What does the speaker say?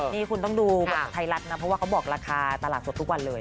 นี่คุณต้องดูไทยรัฐนะเพราะว่าเขาบอกราคาตลาดสดทุกวันเลย